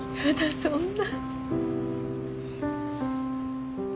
そんな。